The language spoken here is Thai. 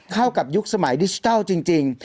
เข้ากับยุคสมัยดิจิทัลจริง